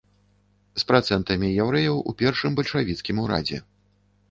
З працэнтамі яўрэяў у першым бальшавіцкім урадзе.